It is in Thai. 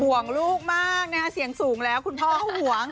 ห่วงลูกมากนะฮะเสียงสูงแล้วคุณพ่อเขาห่วง